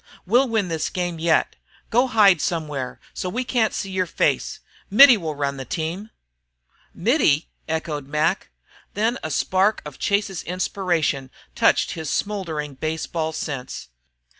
"We'll win this game yet. Go hide somewhere, so we can't see your face. Mittie will run the team." "Mittie?" echoed Mac. Then a spark of Chase's inspiration touched his smouldering baseball sense.